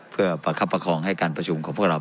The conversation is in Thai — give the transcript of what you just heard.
เพื่อประคับประคองให้การประชุมของพวกเรา